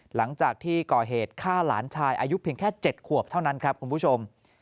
หลังจากที่ก่อเหตุฆ่าหลานชายอายุเพียงแค่๗ขวบเท่านั้นครับคุณผู้ชม